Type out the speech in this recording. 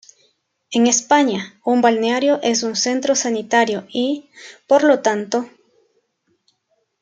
En España, un Balneario es un centro sanitario y. por lo tanto.